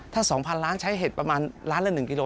ถ้า๒๐๐๐ล้านใช้เห็ดประมาณล้านละ๑กิโล